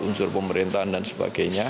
unsur pemerintahan dan sebagainya